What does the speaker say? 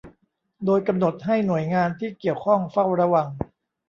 โดยกำหนดให้หน่วยงานที่เกี่ยวข้องเฝ้าระวัง